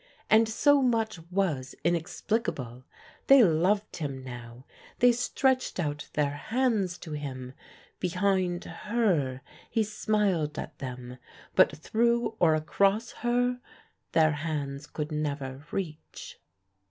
And so much was inexplicable! They loved him now; they stretched out their hands to him: behind her he smiled at them, but through or across her their hands could never reach.